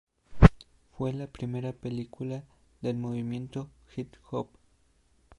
Fue la primera película del Movimiento hip hop.